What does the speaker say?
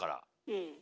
うん。